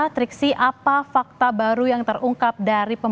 triksi apa fakta baru yang terungkap dari pemerintah